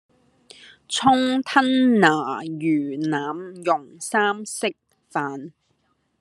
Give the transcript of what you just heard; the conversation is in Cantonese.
蔥吞拿魚腩茸三色飯